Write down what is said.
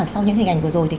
sau những hình ảnh vừa rồi